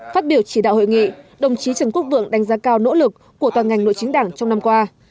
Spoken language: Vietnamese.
phát biểu chỉ đạo hội nghị đồng chí trần quốc vượng đánh giá cao nỗ lực của toàn ngành nội chính đảng trong năm qua